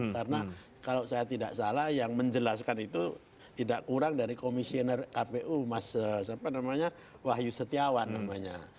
karena kalau saya tidak salah yang menjelaskan itu tidak kurang dari komisioner apu mas wahyu setiawan namanya